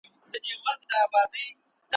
اګوستين ويلي دي چي قدرت بايد قانوني منشأ ولري.